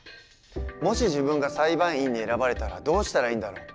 もし自分が裁判員に選ばれたらどうしたらいいんだろう？